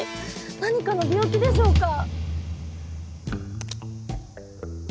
何かの病気でしょうか？